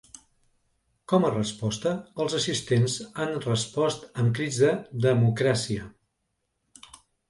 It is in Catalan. Com a resposta, els assistents han respost amb crits de ‘democràcia’.